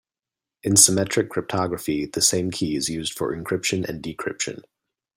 In symmetric cryptography the same key is used for encryption and decryption.